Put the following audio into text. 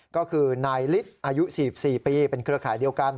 ก็คือนายฤทธิ์อายุ๔๔ปีเป็นเครือข่ายเดียวกัน